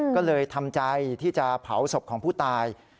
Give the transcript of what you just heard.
ก็เลยทำใจที่จะเผาศพของผู้ตาย